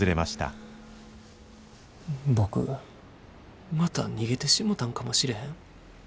僕また逃げてしもたんかもしれへん。